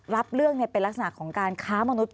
รับเรื่องเป็นลักษณะของการค้ามนุษย